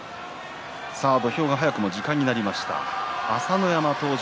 土俵が早くも時間になりました、朝乃山登場。